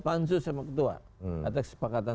pansus sama ketua atas kesepakatan